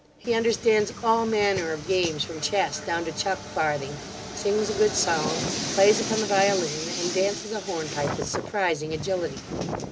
He understands all manner of games from chess down to chuck farthing, sings a good song, plays upon the violin, and dances a hornpipe with surprising agility.